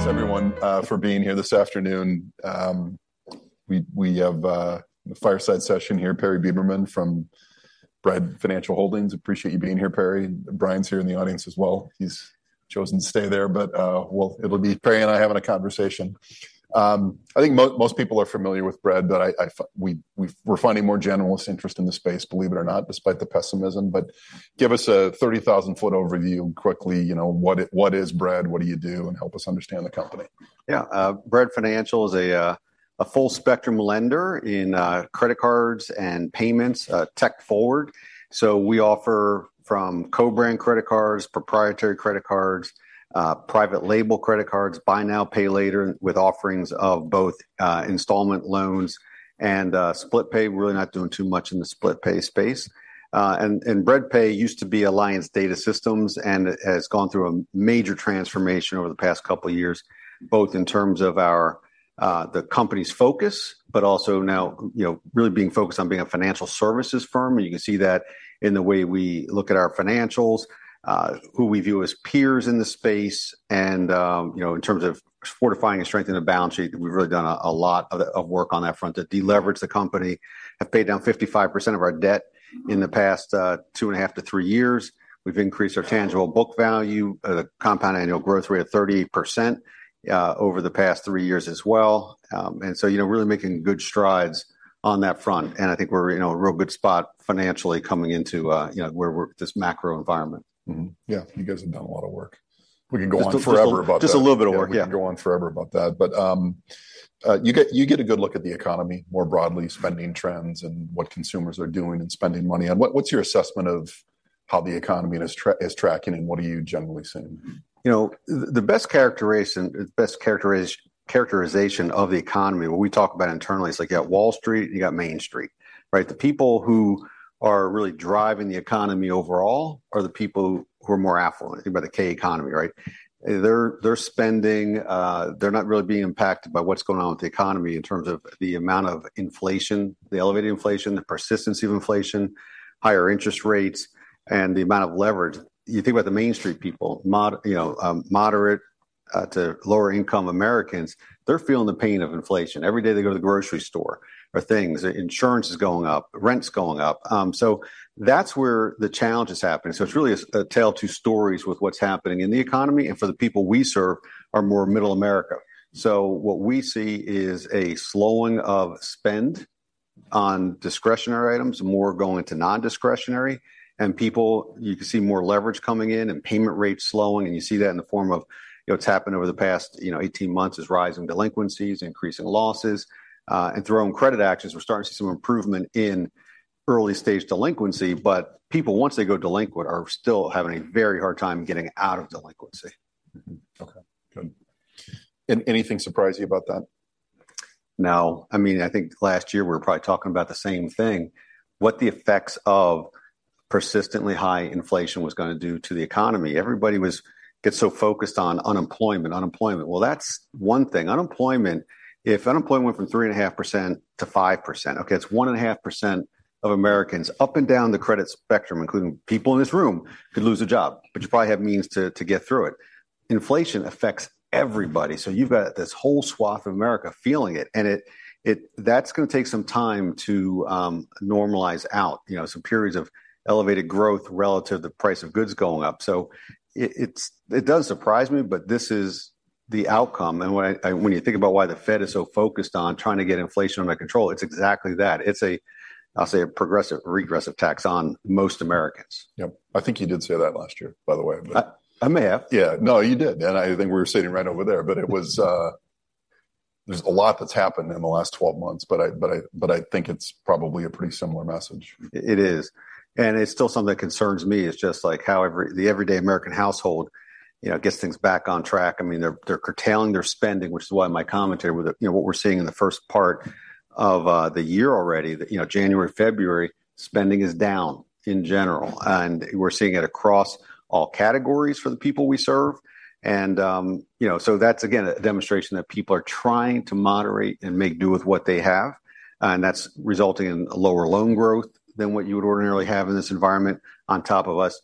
Thanks everyone for being here this afternoon. We have a fireside session here, Perry Beberman from Bread Financial Holdings. Appreciate you being here, Perry. Brian's here in the audience as well. He's chosen to stay there, but well, it'll be Perry and I having a conversation. I think most people are familiar with Bread, but we're finding more generalist interest in the space, believe it or not, despite the pessimism. But give us a 30,000-foot overview quickly, you know, what is Bread? What do you do? And help us understand the company. Yeah, Bread Financial is a full-spectrum lender in credit cards and payments, tech forward. So we offer from co-brand credit cards, proprietary credit cards, private label credit cards, buy now, pay later, with offerings of both, installment loans and split pay. We're really not doing too much in the split pay space. And Bread Pay used to be Alliance Data Systems and has gone through a major transformation over the past couple of years, both in terms of our, the company's focus, but also now, you know, really being focused on being a financial services firm. You can see that in the way we look at our financials, who we view as peers in the space, and, you know, in terms of fortifying and strengthening the balance sheet, we've really done a lot of work on that front to de-leverage the company. Have paid down 55% of our debt in the past two and half to three years. We've increased our tangible book value at a compound annual growth rate of 30% over the past three years as well. And so, you know, really making good strides on that front, and I think we're in a real good spot financially coming into, you know, where we're this macro environment. Mm-hmm. Yeah, you guys have done a lot of work. We can go on forever about that. Just a little bit of work, yeah. We can go on forever about that, but you get a good look at the economy, more broadly, spending trends and what consumers are doing and spending money on. What's your assessment of how the economy is tracking, and what are you generally seeing? You know, the best characterization of the economy, what we talk about internally, it's like you got Wall Street, and you got Main Street, right? The people who are really driving the economy overall are the people who are more affluent, by the K economy, right? They're spending. They're not really being impacted by what's going on with the economy in terms of the amount of inflation, the elevated inflation, the persistence of inflation, higher interest rates, and the amount of leverage. You think about the Main Street people, you know, moderate to lower-income Americans, they're feeling the pain of inflation. Every day they go to the grocery store for things, insurance is going up, rent's going up. So that's where the challenge is happening. So it's really a tale of two stories with what's happening in the economy and for the people we serve, who are more middle America. So what we see is a slowing of spend on discretionary items, more going to non-discretionary, and people—you can see more leverage coming in and payment rates slowing, and you see that in the form of, you know, what's happened over the past, you know, 18 months: rising delinquencies, increasing losses. And through our own credit actions, we're starting to see some improvement in early-stage delinquency, but people, once they go delinquent, are still having a very hard time getting out of delinquency. Mm-hmm. Okay, good. And anything surprise you about that? No. I mean, I think last year we were probably talking about the same thing, what the effects of persistently high inflation was gonna do to the economy. Everybody was getting so focused on unemployment, unemployment. Well, that's one thing. Unemployment, if unemployment went from 3.5%-5%, okay, it's 1.5% of Americans up and down the credit spectrum, including people in this room, could lose a job, but you probably have means to get through it. Inflation affects everybody, so you've got this whole swath of America feeling it, and it... That's gonna take some time to normalize out, you know, some periods of elevated growth relative to the price of goods going up. So it does surprise me, but this is the outcome. And when you think about why the Fed is so focused on trying to get inflation under control, it's exactly that. It's a, I'll say, a progressive, regressive tax on most Americans. Yep. I think you did say that last year, by the way, but- I may have. Yeah. No, you did, and I think we were sitting right over there. But it was, there's a lot that's happened in the last 12 months, but I, but I, but I think it's probably a pretty similar message. It is, and it's still something that concerns me. It's just like how the everyday American household, you know, gets things back on track. I mean, they're curtailing their spending, which is why my commentary with, you know, what we're seeing in the first part of the year already, that, you know, January, February, spending is down in general, and we're seeing it across all categories for the people we serve. And, you know, so that's again, a demonstration that people are trying to moderate and make do with what they have, and that's resulting in lower loan growth than what you would ordinarily have in this environment, on top of us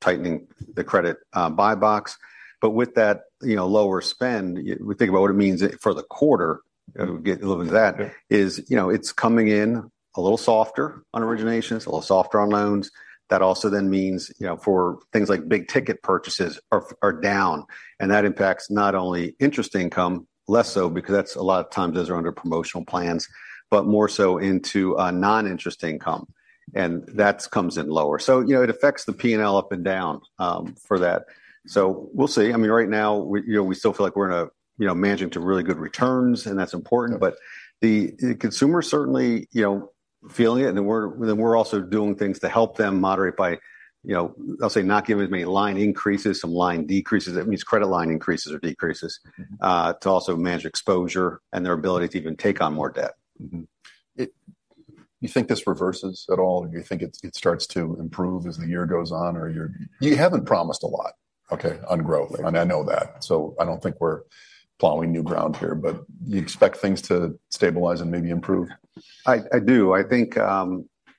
tightening the credit buy box. But with that, you know, lower spend, you think about what it means for the quarter, and we'll get a little into that. Yeah... is, you know, it's coming in a little softer on originations, a little softer on loans. That also then means, you know, for things like big ticket purchases are down, and that impacts not only interest income, less so, because that's a lot of times, those are under promotional plans, but more so into non-interest income, and that's comes in lower. So, you know, it affects the P&L up and down, for that. So we'll see. I mean, right now, we, you know, we still feel like we're in a, you know, managing to really good returns, and that's important. Yeah. But the consumer certainly, you know, feeling it, and then we're also doing things to help them moderate by, you know, I'll say, not giving as many line increases, some line decreases. That means credit line increases or decreases- Mm-hmm... to also manage exposure and their ability to even take on more debt. Mm-hmm. You think this reverses at all, or you think it's, it starts to improve as the year goes on, or you're... You haven't promised a lot- Okay... on growth, and I know that, so I don't think we're plowing new ground here, but you expect things to stabilize and maybe improve? I do. I think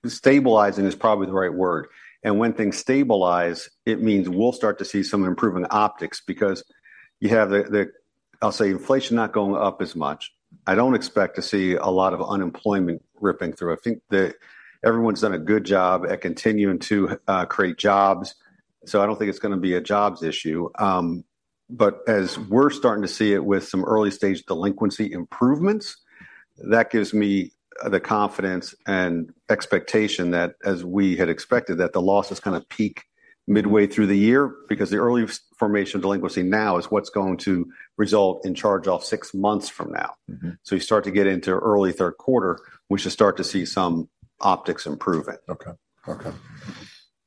stabilizing is probably the right word. And when things stabilize, it means we'll start to see some improvement in optics because you have the, I'll say, inflation not going up as much. I don't expect to see a lot of unemployment ripping through. I think that everyone's done a good job at continuing to create jobs, so I don't think it's gonna be a jobs issue. But as we're starting to see it with some early-stage delinquency improvements, that gives me the confidence and expectation that, as we had expected, that the losses kind of peak midway through the year. Because the early formation of delinquency now is what's going to result in charge-off six months from now. Mm-hmm. You start to get into early Q3, we should start to see some optics improvement. Okay. Okay.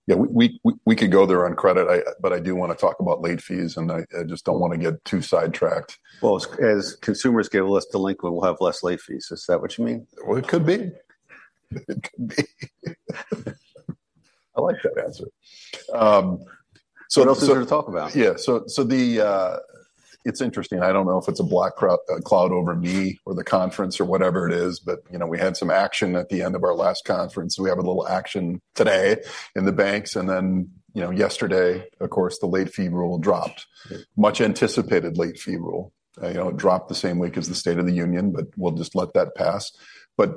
Yeah, we could go there on credit, but I do wanna talk about late fees, and I just don't want to get too sidetracked. Well, as consumers get less delinquent, we'll have less late fees. Is that what you mean? Well, it could be. It could be. I like that answer. So- What else is there to talk about? Yeah, so the... It's interesting. I don't know if it's a black cloud over me or the conference or whatever it is, but, you know, we had some action at the end of our last conference. We have a little action today in the banks, and then, you know, yesterday, of course, the late fee rule dropped. Much anticipated late fee rule. You know, it dropped the same week as the State of the Union, but we'll just let that pass. But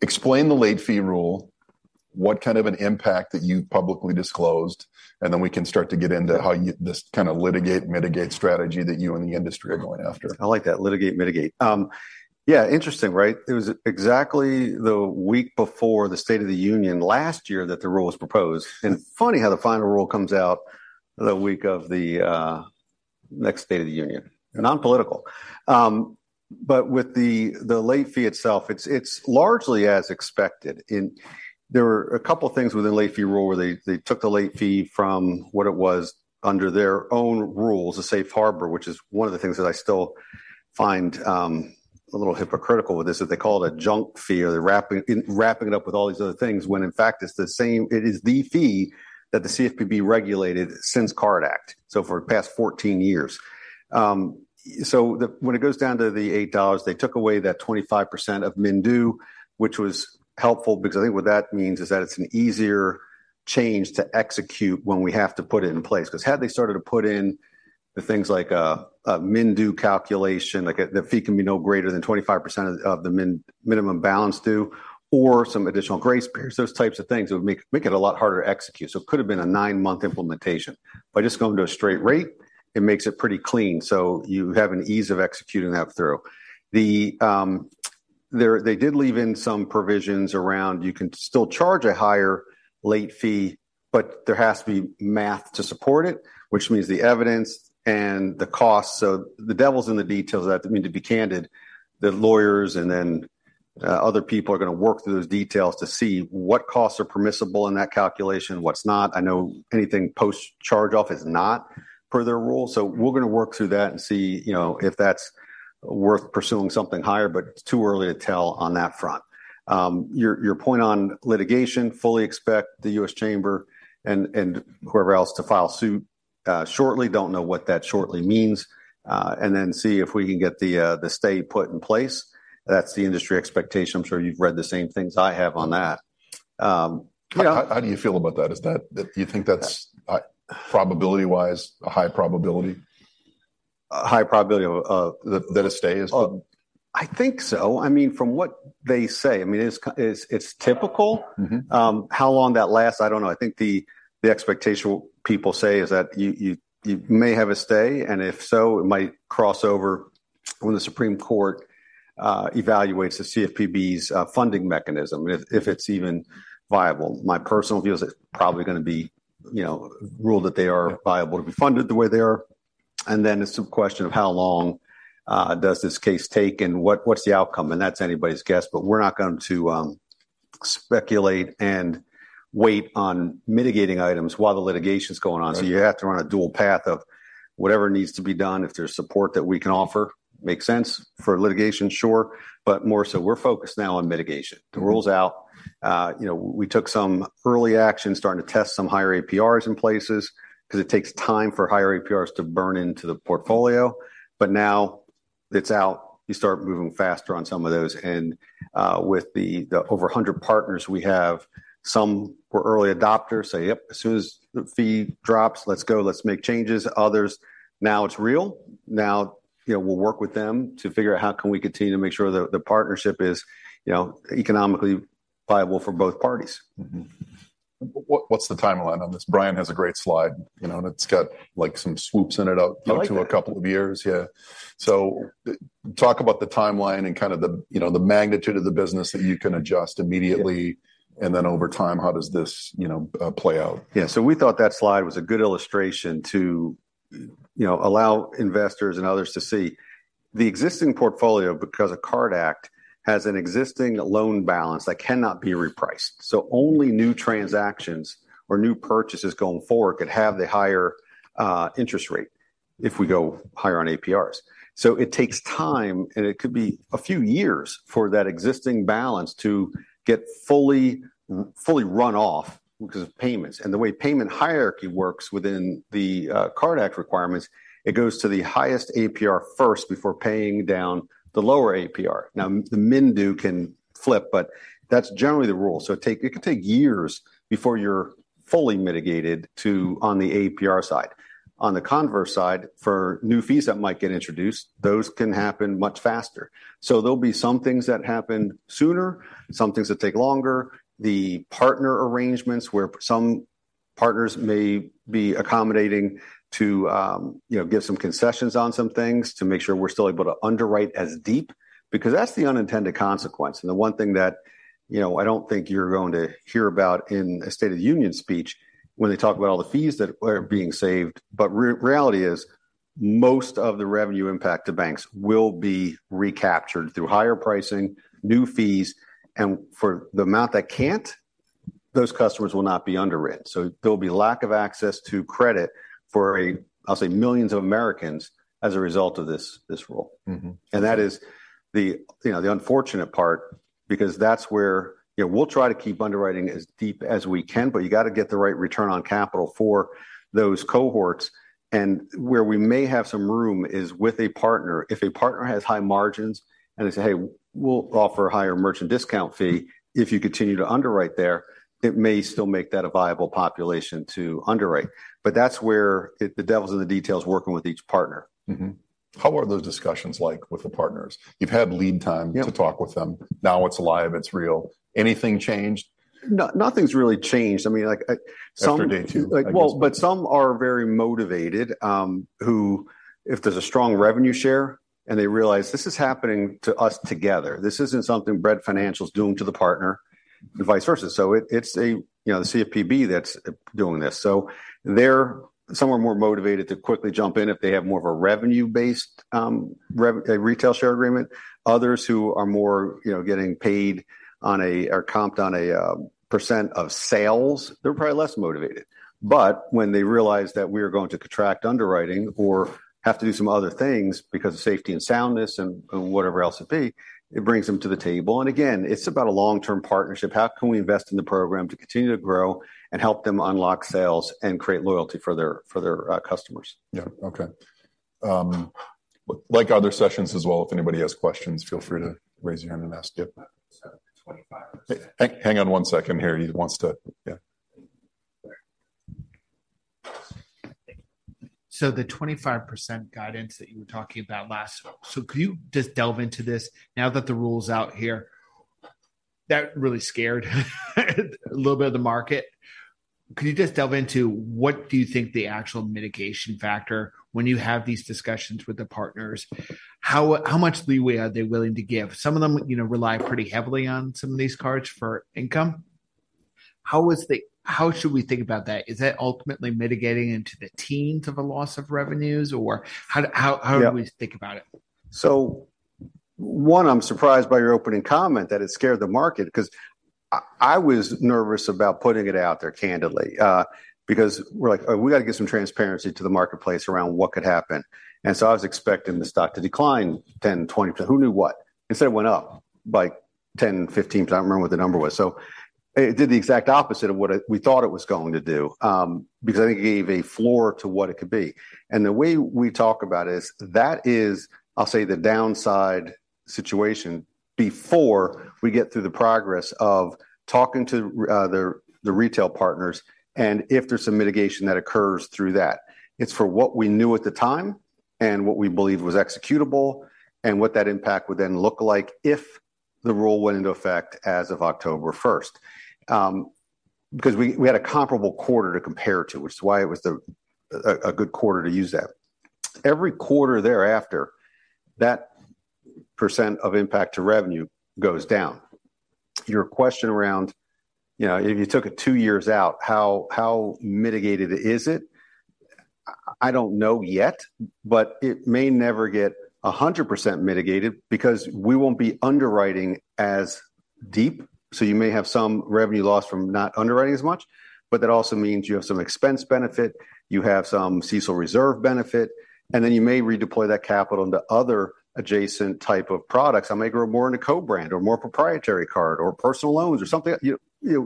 explain the late fee rule, what kind of an impact that you've publicly disclosed, and then we can start to get into how this kind of litigate, mitigate strategy that you and the industry are going after. I like that, litigate, mitigate. Yeah, interesting, right? It was exactly the week before the State of the Union last year that the rule was proposed, and funny how the final rule comes out the week of the, next State of the Union. Non-political. But with the, the late fee itself, it's, it's largely as expected. And there were a couple things with the late fee rule, where they, they took the late fee from what it was under their own rules, the safe harbor, which is one of the things that I still find, a little hypocritical with this, is they call it a junk fee, or they're wrapping it, wrapping it up with all these other things, when in fact, it's the same- it is the fee that the CFPB regulated since CARD Act, so for the past 14 years. So when it goes down to the $8, they took away that 25% of min due, which was helpful because I think what that means is that it's an easier change to execute when we have to put it in place. 'Cause had they started to put in the things like a min due calculation, like a the fee can be no greater than 25% of the minimum balance due, or some additional grace periods, those types of things, it would make it a lot harder to execute. So it could've been a 9-month implementation. By just going to a straight rate, it makes it pretty clean, so you have an ease of executing that through. They did leave in some provisions around, you can still charge a higher late fee, but there has to be math to support it, which means the evidence and the cost. So the devil's in the details of that. I mean, to be candid, the lawyers and then other people are gonna work through those details to see what costs are permissible in that calculation, what's not. I know anything post-charge-off is not per their rule. So we're gonna work through that and see, you know, if that's worth pursuing something higher, but it's too early to tell on that front. Your point on litigation, fully expect the U.S. Chamber and whoever else to file suit, shortly. Don't know what that shortly means. And then see if we can get the stay put in place. That's the industry expectation. I'm sure you've read the same things I have on that. You know- How, how do you feel about that? Is that, do you think that's, probability-wise, a high probability? A high probability of That a stay is- Oh, I think so. I mean, from what they say, I mean, it's typical. Mm-hmm. How long that lasts, I don't know. I think the expectation people say is that you may have a stay, and if so, it might cross over when the Supreme Court evaluates the CFPB's funding mechanism, if it's even viable. My personal view is it's probably gonna be, you know, ruled that they are viable to be funded the way they are, and then it's a question of, how long does this case take, and what's the outcome? That's anybody's guess, but we're not going to speculate and wait on mitigating items while the litigation's going on. Right. You have to run a dual path of whatever needs to be done. If there's support that we can offer, makes sense for litigation, sure, but more so, we're focused now on mitigation. Mm-hmm. The rule's out. You know, we took some early action, starting to test some higher APRs in places, 'cause it takes time for higher APRs to burn into the portfolio. But now that it's out, you start moving faster on some of those. And, with the over 100 partners we have, some were early adopters, say, "Yep, as soon as the fee drops, let's go. Let's make changes." Others, now it's real. Now, you know, we'll work with them to figure out how can we continue to make sure that the partnership is, you know, economically viable for both parties? Mm-hmm. What, what's the timeline on this? Brian has a great slide, you know, and it's got, like, some swoops in it out- I like that.... to a couple of years. Yeah. So talk about the timeline and kind of the, you know, the magnitude of the business that you can adjust immediately- Yeah... and then over time, how does this, you know, play out? Yeah, so we thought that slide was a good illustration to, you know, allow investors and others to see. The existing portfolio, because of CARD Act, has an existing loan balance that cannot be repriced, so only new transactions or new purchases going forward could have the higher interest rate if we go higher on APRs. So it takes time, and it could be a few years for that existing balance to get fully run off because of payments. And the way payment hierarchy works within the CARD Act requirements, it goes to the highest APR first before paying down the lower APR. Now, the MIN DO can flip, but that's generally the rule, so it could take years before fully mitigated to on the APR side. On the converse side, for new fees that might get introduced, those can happen much faster. So there'll be some things that happen sooner, some things that take longer. The partner arrangements where some partners may be accommodating to, you know, give some concessions on some things to make sure we're still able to underwrite as deep, because that's the unintended consequence. And the one thing that, you know, I don't think you're going to hear about in a State of the Union speech when they talk about all the fees that are being saved, but reality is, most of the revenue impact to banks will be recaptured through higher pricing, new fees, and for the amount that can't, those customers will not be underwritten. So there'll be lack of access to credit for, I'll say, millions of Americans as a result of this rule. Mm-hmm. That is the, you know, the unfortunate part because that's where, you know, we'll try to keep underwriting as deep as we can, but you gotta get the right return on capital for those cohorts. And where we may have some room is with a partner. If a partner has high margins and they say, "Hey, we'll offer a higher merchant discount fee," if you continue to underwrite there, it may still make that a viable population to underwrite, but that's where the devil's in the details working with each partner. Mm-hmm. How are those discussions like with the partners? You've had lead time- Yeah to talk with them. Now, it's live, it's real. Anything changed? Nothing's really changed. I mean, like, some- After day two, I guess. Well, but some are very motivated, who if there's a strong revenue share, and they realize this is happening to us together, this isn't something Bread Financial is doing to the partner and vice versa. So it's, you know, the CFPB that's doing this. So some are more motivated to quickly jump in if they have more of a revenue-based, a revenue share agreement. Others who are more, you know, getting paid on a, or comped on a, percent of sales, they're probably less motivated. But when they realize that we're going to contract underwriting or have to do some other things because of safety and soundness and whatever else it be, it brings them to the table. And again, it's about a long-term partnership. How can we invest in the program to continue to grow and help them unlock sales and create loyalty for their, for their, customers? Yeah. Okay. Like other sessions as well, if anybody has questions, feel free to raise your hand and ask it. So twenty-five- Hang on one second here. He wants to... Yeah. So the 25% guidance that you were talking about last, so could you just delve into this now that the rule's out here? That really scared a little bit of the market. Could you just delve into what do you think the actual mitigation factor when you have these discussions with the partners? How much leeway are they willing to give? Some of them, you know, rely pretty heavily on some of these cards for income. How should we think about that? Is that ultimately mitigating into the teens of a loss of revenues or how do- Yeah... how do we think about it? So one, I'm surprised by your opening comment that it scared the market, 'cause I, I was nervous about putting it out there candidly, because we're like, "Oh, we gotta get some transparency to the marketplace around what could happen." So I was expecting the stock to decline 10, 20, so who knew what? Instead, it went up by 10, 15, but I don't remember what the number was. So it did the exact opposite of what it- we thought it was going to do, because I think it gave a floor to what it could be. The way we talk about it is, that is, I'll say, the downside situation before we get through the progress of talking to the retail partners and if there's some mitigation that occurs through that. It's for what we knew at the time, and what we believed was executable, and what that impact would then look like if the rule went into effect as of October first. Because we had a comparable quarter to compare to, which is why it was a good quarter to use that. Every quarter thereafter, that percent of impact to revenue goes down. Your question around, you know, if you took it two years out, how mitigated is it? I don't know yet, but it may never get 100% mitigated because we won't be underwriting as deep, so you may have some revenue loss from not underwriting as much, but that also means you have some expense benefit, you have some CECL reserve benefit, and then you may redeploy that capital into other adjacent type of products. I may grow more in a co-brand or more proprietary card or personal loans or something, you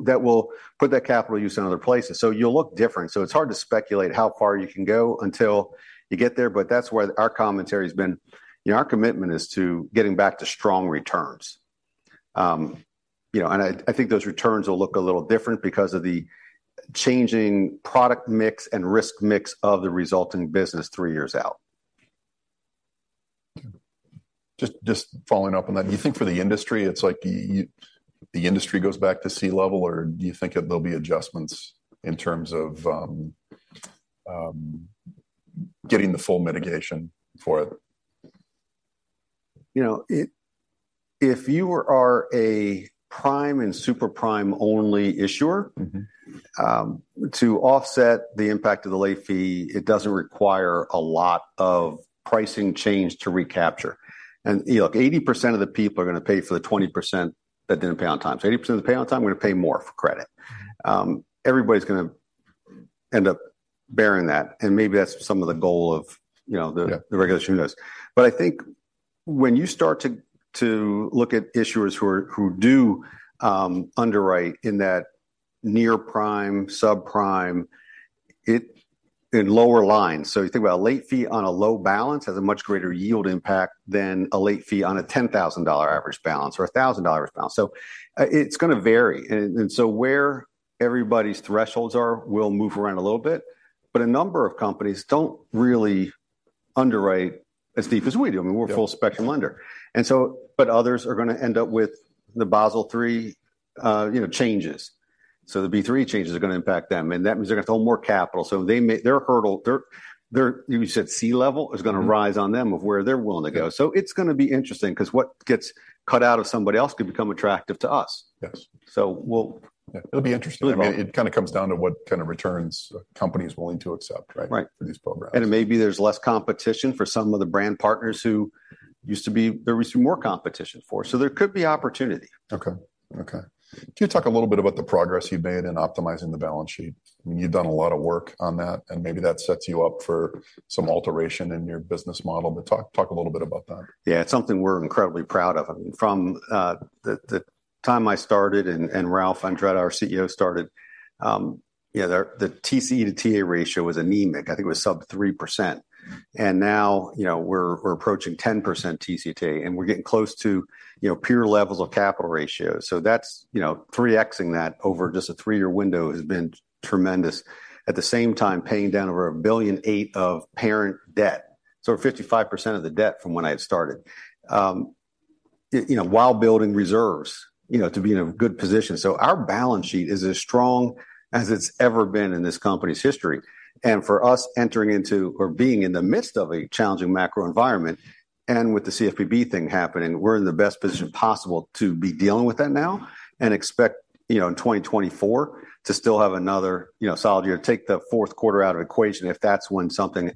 that will put that capital use in other places. So you'll look different. So it's hard to speculate how far you can go until you get there, but that's where our commentary has been. You know, our commitment is to getting back to strong returns. You know, and I think those returns will look a little different because of the changing product mix and risk mix of the resulting business three years out. Just following up on that, do you think for the industry, it's like the industry goes back to sea level, or do you think that there'll be adjustments in terms of getting the full mitigation for it? You know, if you are a prime and super prime-only issuer- Mm-hmm... to offset the impact of the late fee, it doesn't require a lot of pricing change to recapture. And, you know, 80% of the people are gonna pay for the 20% that didn't pay on time. So 80% of the pay on time, we're gonna pay more for credit. Mm-hmm. Everybody's gonna end up bearing that, and maybe that's some of the goal of, you know- Yeah... the regulation does. But I think when you start to look at issuers who do underwrite in that near prime, subprime, in lower lines. So you think about a late fee on a low balance has a much greater yield impact than a late fee on a $10,000 average balance or a $1,000 average balance. So, it's gonna vary, and so where everybody's thresholds are will move around a little bit, but a number of companies don't really underwrite as deep as we do. I mean- Yeah... we're a full-spectrum lender, and so, but others are gonna end up with the Basel III, you know, changes. So the B3 changes are gonna impact them, and that means they're gonna hold more capital, so they may- their hurdle, their, their, you said C level- Mm-hmm... is gonna rise on them of where they're willing to go. Yeah. It's gonna be interesting, 'cause what gets cut out of somebody else could become attractive to us. Yes. So we'll- Yeah, it'll be interesting. It'll be- I mean, it kind of comes down to what kind of returns a company is willing to accept, right? Right. For these programs. It may be there's less competition for some of the brand partners who used to be... there was more competition for, so there could be opportunity. Okay. Okay. Can you talk a little bit about the progress you've made in optimizing the balance sheet? I mean, you've done a lot of work on that, and maybe that sets you up for some alteration in your business model, but talk, talk a little bit about that. Yeah, it's something we're incredibly proud of. I mean, from the time I started, and Ralph Andretta, our CEO, started, you know, the TCE to TA ratio was anemic. I think it was sub 3%, and now, you know, we're approaching 10% TCT, and we're getting close to, you know, peer levels of capital ratios. So that's, you know, 3x-ing that over just a three year window has been tremendous. At the same time, paying down over $1.8 billion of parent debt, so 55% of the debt from when I had started, you know, while building reserves, you know, to be in a good position. So our balance sheet is as strong as it's ever been in this company's history, and for us, entering into or being in the midst of a challenging macro environment, and with the CFPB thing happening, we're in the best position possible to be dealing with that now, and expect, you know, in 2024 to still have another, you know, solid year. Take the Q4 out of the equation, if that's when something, you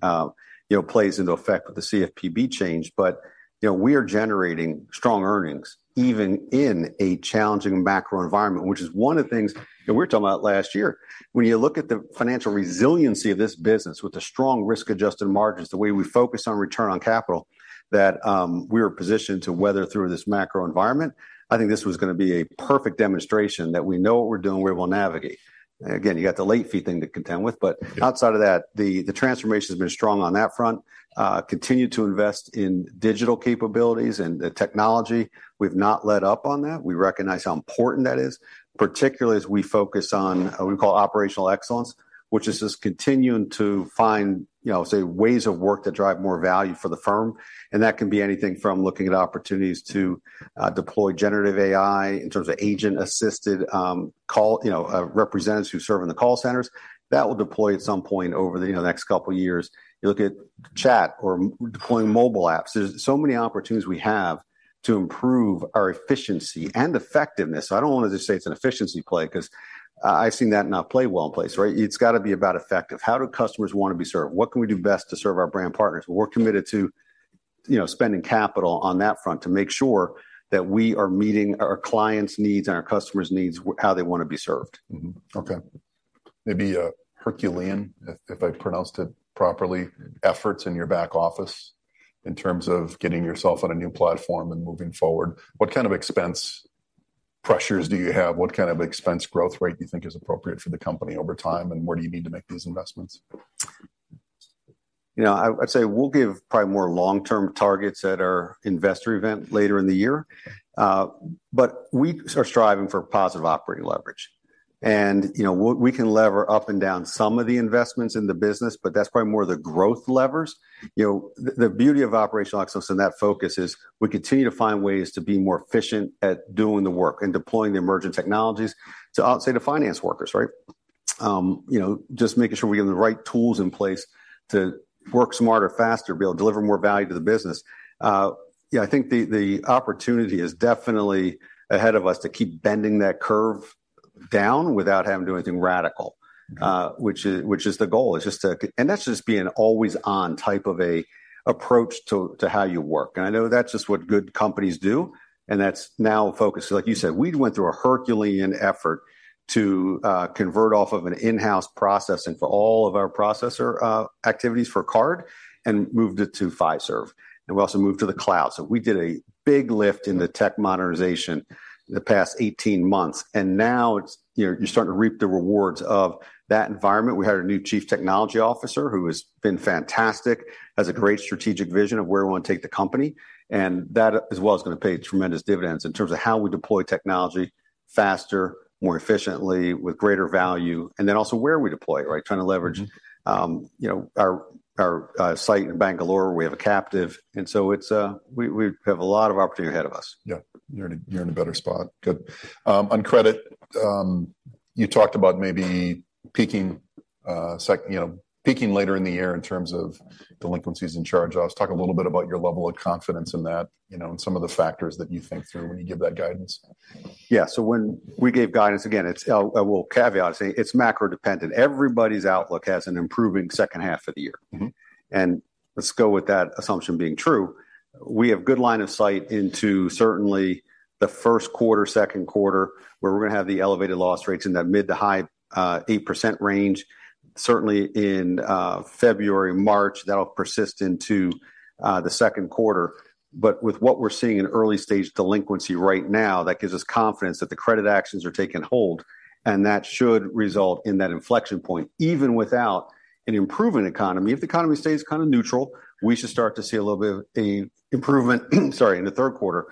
know, plays into effect with the CFPB change. But, you know, we are generating strong earnings, even in a challenging macro environment, which is one of the things that we were talking about last year. When you look at the financial resiliency of this business, with the strong risk-adjusted margins, the way we focus on return on capital, that we are positioned to weather through this macro environment, I think this was gonna be a perfect demonstration that we know what we're doing, and we're able to navigate. Again, you got the late fee thing to contend with, but- Yeah... outside of that, the transformation has been strong on that front. Continue to invest in digital capabilities and the technology. We've not let up on that. We recognize how important that is, particularly as we focus on what we call operational excellence, which is just continuing to find, you know, ways of work that drive more value for the firm, and that can be anything from looking at opportunities to deploy generative AI in terms of agent-assisted call representatives who serve in the call centers. That will deploy at some point over the next couple years. You look at chat or deploying mobile apps, there's so many opportunities we have to improve our efficiency and effectiveness. So I don't want to just say it's an efficiency play, 'cause I've seen that not play well in place, right? It's got to be about effective. How do customers want to be served? What can we do best to serve our brand partners? We're committed to, you know, spending capital on that front to make sure that we are meeting our clients' needs and our customers' needs, how they want to be served. Mm-hmm. Okay. Maybe a Herculean, if I pronounced it properly, efforts in your back office in terms of getting yourself on a new platform and moving forward. What kind of expense pressures do you have? What kind of expense growth rate do you think is appropriate for the company over time, and where do you need to make these investments? You know, I'd say we'll give probably more long-term targets at our investor event later in the year. But we are striving for positive operating leverage. And, you know, we can lever up and down some of the investments in the business, but that's probably more the growth levers. You know, the beauty of operational excellence and that focus is we continue to find ways to be more efficient at doing the work and deploying the emerging technologies to outsource the finance workers, right? You know, just making sure we get the right tools in place to work smarter, faster, be able to deliver more value to the business. Yeah, I think the opportunity is definitely ahead of us to keep bending that curve down without having to do anything radical- Mm-hmm... which is, which is the goal, is just to... And that's just being always on type of a approach to, to how you work. And I know that's just what good companies do, and that's now a focus. Like you said, we went through a herculean effort to convert off of an in-house processing for all of our processor activities for card and moved it to Fiserv, and we also moved to the cloud. So we did a big lift in the tech modernization in the past 18 months, and now it's, you know, you're starting to reap the rewards of that environment. We had a new Chief Technology Officer, who has been fantastic, has a great strategic vision of where we want to take the company, and that as well, is gonna pay tremendous dividends in terms of how we deploy technology faster, more efficiently, with greater value, and then also where we deploy, right? Trying to leverage- Mm... you know, our site in Bangalore, we have a captive, and so it's, we have a lot of opportunity ahead of us. Yeah. You're in a better spot. Good. On credit, you talked about maybe peaking second, you know, peaking later in the year in terms of delinquencies and charge-offs. Talk a little bit about your level of confidence in that, you know, and some of the factors that you think through when you give that guidance. Yeah. So when we gave guidance, again, it's, I will caveat it, it's macro-dependent. Everybody's outlook has an improving second half of the year. Mm-hmm. And let's go with that assumption being true. We have good line of sight into certainly the Q1, Q2, where we're gonna have the elevated loss rates in that mid-to-high 8% range. Certainly, in February, March, that'll persist into the Q2. But with what we're seeing in early-stage delinquency right now, that gives us confidence that the credit actions are taking hold, and that should result in that inflection point, even without an improving economy. If the economy stays kind of neutral, we should start to see a little bit of a improvement, sorry, in the Q3.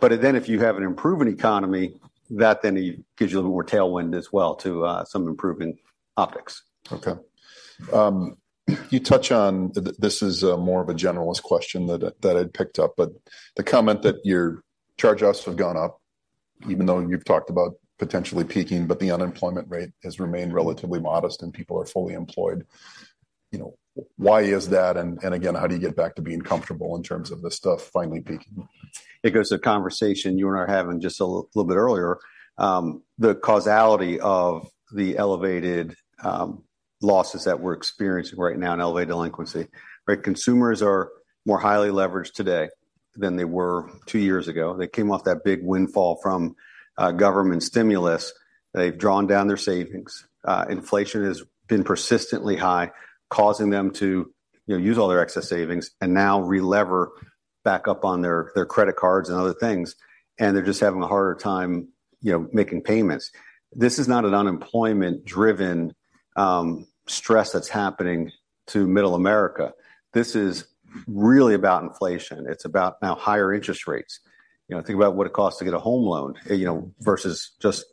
But then, if you have an improving economy, that then gives you a little more tailwind as well to some improving optics. Okay. You touch on this is more of a generalist question that I'd picked up, but the comment that your charge-offs have gone up even though you've talked about potentially peaking, but the unemployment rate has remained relatively modest, and people are fully employed. You know, why is that, and again, how do you get back to being comfortable in terms of this stuff finally peaking? It goes to the conversation you and I were having just a little bit earlier. The causality of the elevated losses that we're experiencing right now in elevated delinquency, right? Consumers are more highly leveraged today than they were two years ago. They came off that big windfall from government stimulus. They've drawn down their savings. Inflation has been persistently high, causing them to, you know, use all their excess savings, and now re-lever back up on their credit cards and other things, and they're just having a harder time, you know, making payments. This is not an unemployment-driven stress that's happening to middle America. This is really about inflation. It's about now higher interest rates. You know, think about what it costs to get a home loan, you know, versus just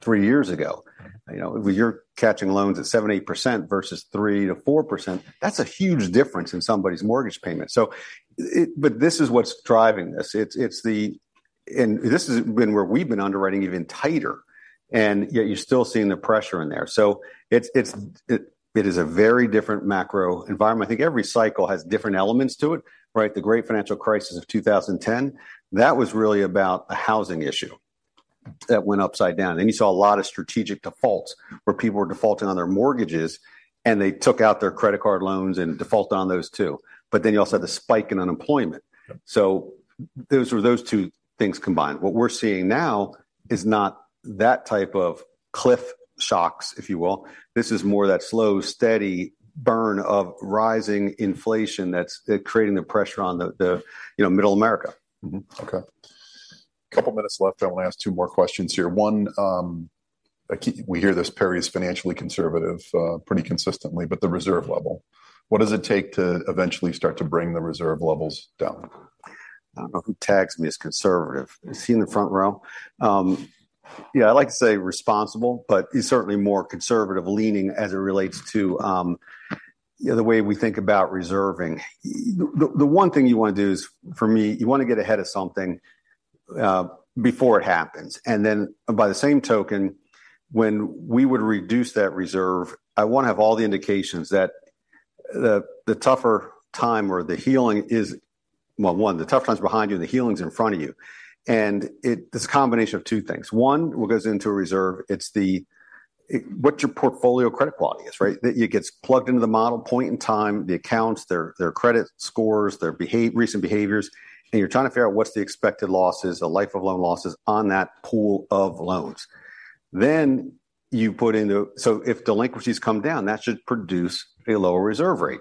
three years ago. You know, you're catching loans at 7-8% versus 3%-4%. That's a huge difference in somebody's mortgage payment, so it-but this is what's driving this. It's, it's the- And this has been where we've been underwriting even tighter, and yet you're still seeing the pressure in there. So it's, it's, it, it is a very different macro environment. I think every cycle has different elements to it, right? The Great Financial Crisis of 2010, that was really about a housing issue that went upside down, and you saw a lot of strategic defaults, where people were defaulting on their mortgages, and they took out their credit card loans and defaulted on those, too. But then you also had the spike in unemployment. Yeah. So those were those two things combined. What we're seeing now is not that type of cliff shocks, if you will. This is more that slow, steady burn of rising inflation that's creating the pressure on the, you know, middle America. Mm-hmm. Okay. Couple minutes left. I want to ask two more questions here. One, we hear this, Perry, is financially conservative, pretty consistently, but the reserve level, what does it take to eventually start to bring the reserve levels down? I don't know who tags me as conservative. Is he in the front row? Yeah, I like to say responsible, but he's certainly more conservative-leaning as it relates to, you know, the way we think about reserving. The one thing you want to do is, for me, you want to get ahead of something before it happens, and then by the same token, when we would reduce that reserve, I want to have all the indications that the tougher time or the healing is... Well, one, the tough time's behind you, and the healing's in front of you, and it, it's a combination of two things. One, what goes into a reserve, it's what your portfolio credit quality is, right? It gets plugged into the model, point in time, the accounts, their credit scores, their recent behaviors, and you're trying to figure out what's the expected losses, the life of loan losses on that pool of loans. Then you put in the—So if delinquencies come down, that should produce a lower reserve rate.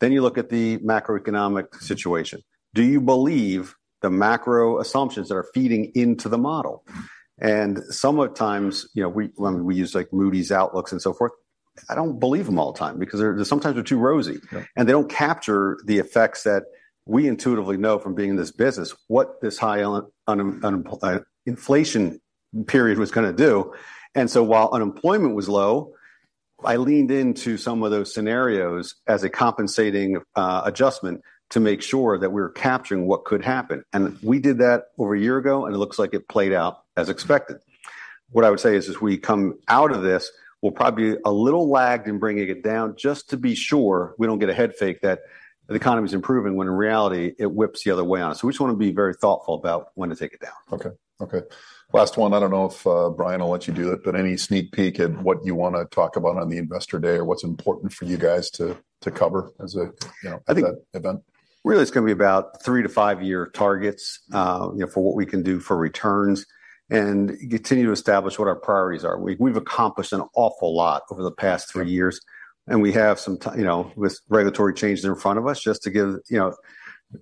Then you look at the macroeconomic situation. Do you believe the macro assumptions that are feeding into the model? And some of the times, you know, we, when we use, like, Moody's outlooks and so forth, I don't believe them all the time, because they're sometimes too rosy- Yeah... and they don't capture the effects that we intuitively know from being in this business, what this high inflation period was gonna do. And so while unemployment was low, I leaned into some of those scenarios as a compensating adjustment to make sure that we were capturing what could happen, and we did that over a year ago, and it looks like it played out as expected. What I would say is, as we come out of this, we'll probably be a little lagged in bringing it down just to be sure we don't get a head fake that the economy's improving, when in reality, it whips the other way on us. So we just want to be very thoughtful about when to take it down. Okay. Okay, last one. I don't know if Brian will let you do it, but any sneak peek at what you want to talk about on the Investor Day, or what's important for you guys to cover as a, you know, at that event? I think really it's gonna be about three to five year targets, you know, for what we can do for returns and continue to establish what our priorities are. We've accomplished an awful lot over the past three years, and we have you know, with regulatory changes in front of us, just to give, you know,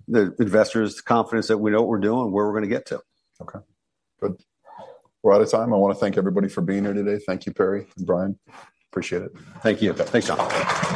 the investors the confidence that we know what we're doing and where we're gonna get to. Okay. Good. We're out of time. I want to thank everybody for being here today. Thank you, Perry and Brian. Appreciate it. Thank you. Thanks, John.